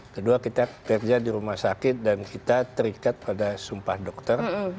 kedua kita kerja di rumah sakit dan kita terikat pada sumpah dokter